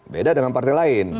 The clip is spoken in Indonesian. beda dengan partai lain